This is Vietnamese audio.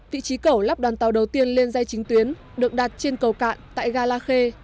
vị trí cẩu lắp đoàn tàu đầu tiên lên dây chính tuyến được đặt trên cầu cạn tại gala khê